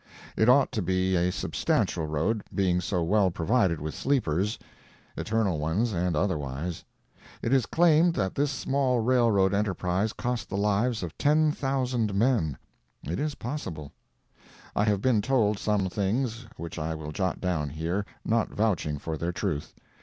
It ought to be a substantial road, being so well provided with sleepers—eternal ones and otherwise. It is claimed that this small railroad enterprise cost the lives of 10,000 men. It is possible. I have been told some things which I will jot down here, not vouching for their truth.